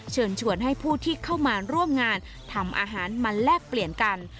เชิญชวนให้ผู้ที่เข้ามาร่วมงานทำอาหารมาแลกเปลี่ยนกัน